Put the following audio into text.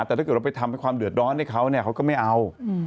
แต่ถ้าเกิดเราไปทำให้ความเดือดร้อนให้เขาเนี่ยเขาก็ไม่เอา